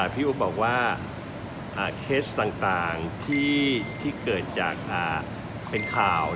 พี่อุ๊บบอกว่าเคสต่างที่เกิดจากเป็นข่าว